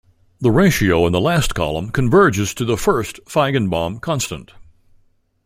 The ratio in the last column converges to the first Feigenbaum constant.